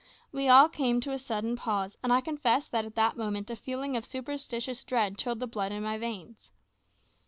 We all came to a sudden pause, and I confess that at that moment a feeling of superstitious dread chilled the blood in my veins.